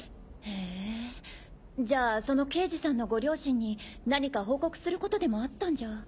へぇじゃあその刑事さんのご両親に何か報告することでもあったんじゃ。